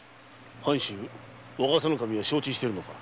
藩主若狭守は承知しているのか？